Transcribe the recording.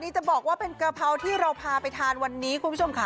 จะบอกว่าเป็นกะเพราที่เราพาไปทานวันนี้คุณผู้ชมค่ะ